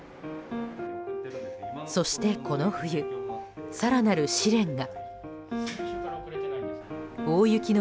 そして、この冬更なる試練が。